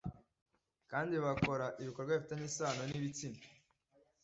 kandi bagakora ibikorwa bifitanye isano n’ibitsina,